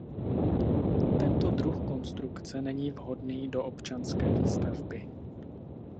Tento druh konstrukce není vhodný do občanské výstavby.